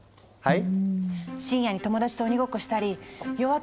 はい！